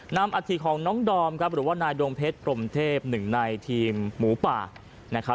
นำอาทิตย์ของน้องดอมหรือว่านายดวงเพชรพรมเทพหนึ่งในทีมหมูป่า